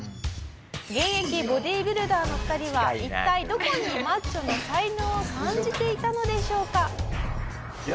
「現役ボディビルダーの２人は一体どこにマッチョの才能を感じていたのでしょうか？」